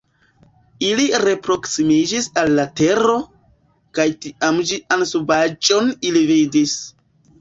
Ili reproksimiĝis al la tero, kaj tiam ĝian subaĵon ili vidis.